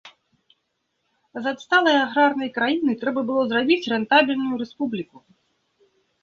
З адсталай аграрнай краіны трэба было зрабіць рэнтабельную рэспубліку.